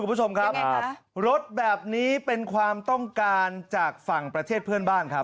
คุณผู้ชมครับรถแบบนี้เป็นความต้องการจากฝั่งประเทศเพื่อนบ้านครับ